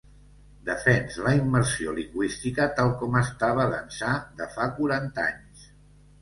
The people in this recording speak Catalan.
Defens la immersió lingüística tal com estava d’ençà de fa quaranta anys.